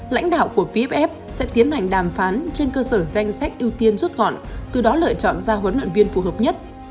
lãnh đạo của vff sẽ tiến hành đàm phán trên cơ sở danh sách ưu tiên rút gọn từ đó lựa chọn ra huấn luyện viên phù hợp nhất